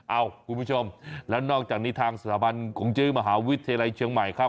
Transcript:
คุณผู้ชมแล้วนอกจากนี้ทางสถาบันกงจื้อมหาวิทยาลัยเชียงใหม่ครับ